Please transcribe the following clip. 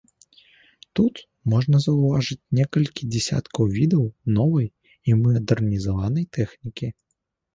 Тут можна заўважыць некалькі дзясяткаў відаў новай і мадэрнізаванай тэхнікі.